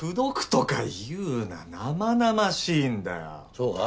そうか？